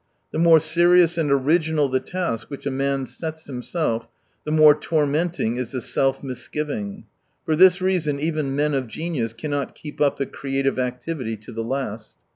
The more serious and original the task which a man sets himself, the more tormenting is the self misgiving. For this reason even men of genius cannot ke^p up the creative activity to the last.